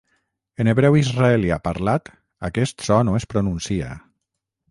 En hebreu israelià parlat aquest so no es pronuncia.